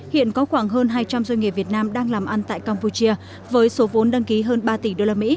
hiện có khoảng hơn hai trăm linh doanh nghiệp việt nam đang làm ăn tại campuchia với số vốn đăng ký hơn ba tỷ usd